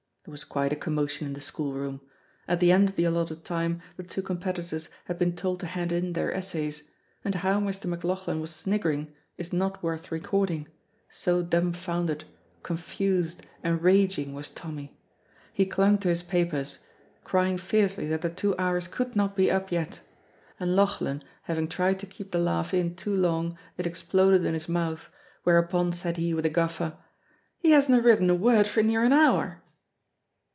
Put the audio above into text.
There was quite a commotion in the school room. At the end of the allotted time the two competitors had been told to hand in their essays, and how Mr. McLauchlan was sniggering is not worth recording, so dumfounded, confused, and raging was Tommy. He clung to his papers, crying fiercely that the two hours could not be up yet, and Lauchlan having tried to keep the laugh in too long it exploded in his mouth, whereupon, said he, with a guffaw, "He hasna written a word for near an hour!"